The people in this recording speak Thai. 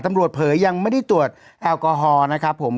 ตำรวจเผยังไม่ได้ตรวจแอลกอฮอล์